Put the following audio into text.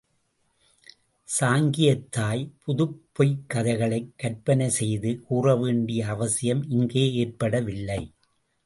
சாங்கியத் தாய் புதுப் பொய்க் கதைகளைக் கற்பனை செய்து கூறவேண்டிய அவசியம் இங்கே ஏற்படவில்லை.